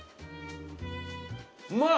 うまい！